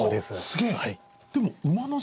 すげえ！